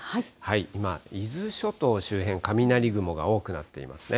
今、伊豆諸島周辺、雷雲が多くなっていますね。